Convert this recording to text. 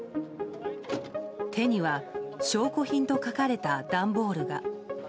手には証拠品と書かれた段ボールが。